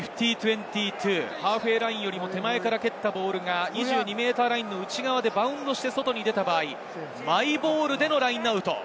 ハーフウェイラインよりも手前から蹴ったボールが２２ｍラインより内側でバウンドして、外に出た場合、マイボールでのラインアウト。